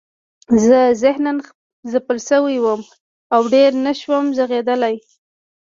زه ذهناً ځپل شوی وم او ډېر نشوم غږېدلی